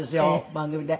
番組で。